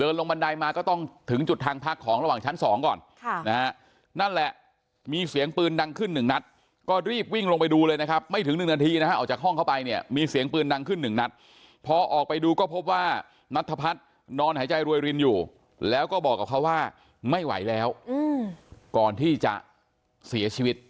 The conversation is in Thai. นั่นแหละมีเสียงปืนดังขึ้น๑นัทพัฒน์ก็รีบวิ่งลงไปดูเลยนะครับไม่ถึง๑นาทีนะออกจากห้องเข้าไปเนี่ยมีเสียงปืนดังขึ้น๑นัทพัฒน์พอออกไปดูก็พบว่านัทพัฒน์นอนหายใจรวยรินอยู่แล้วก็บอกกับเขาว่าไม่ไหวแล้วก่อนที่จะเสียชีวิต